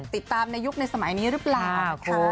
ติดตามในยุคในสมัยนี้รึเปล่า